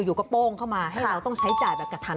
อยู่ก็โป้งเข้ามาให้เราต้องใช้จ่ายแบบกระทัน